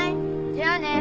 じゃあね。